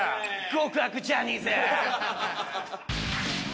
極悪ジャニーズ！